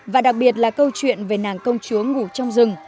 và đặc biệt là câu chuyện về nàng công chúa ngủ trong rừng